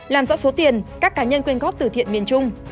làm rõ số tiền các cá nhân quyên góp từ thiện miền trung